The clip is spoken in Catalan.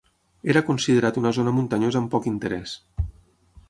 Era considerat una zona muntanyosa amb poc interès.